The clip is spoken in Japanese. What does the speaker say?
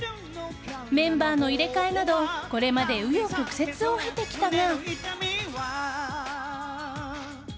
メンバーの入れ替えなどこれまで紆余曲折を経てきたが。